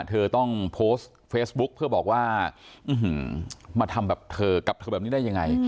เธอต้องโพสต์เฟซบุ๊คเพื่อบอกว่ามาทำแบบเธอกับเธอแบบนี้ได้ยังไง